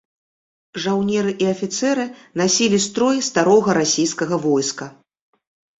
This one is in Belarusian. Жаўнеры і афіцэры насілі строй старога расійскага войска.